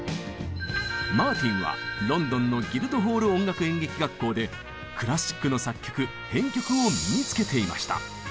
マーティンはロンドンのギルドホール音楽演劇学校でクラシックの作曲編曲を身につけていました。